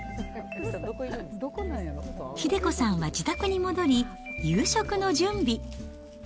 英子さんは自宅に戻り、夕食の準備。